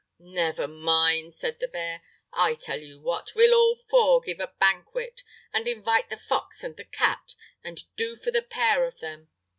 "Never mind," said the bear, "I tell you what, we'll all four give a banquet, and invite the fox and the cat, and do for the pair of them.